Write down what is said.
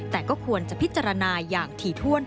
แต่ก็ควรจะพิจารณาอย่างถี่ถ้วน